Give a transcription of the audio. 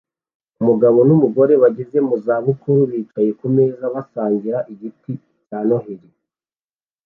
Umugabo n'umugore bageze mu za bukuru bicaye ku meza basangira igiti cya Noheri